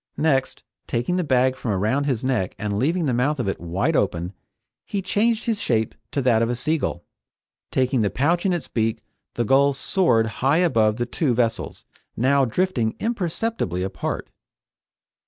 Next, taking the bag from around his neck and leaving the mouth of it wide open, he changed his shape to that of a sea gull. Taking the pouch in its beak the gull soared high above the two vessels, now drifting imperceptibly apart.